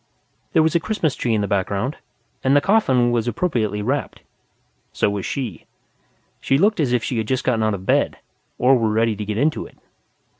There was a Christmas tree in the background, and the coffin was appropriately wrapped. So was she. She looked as if she had just gotten out of bed, or were ready to get into it.